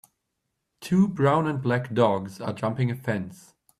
Two brown and black dogs are jumping a fence.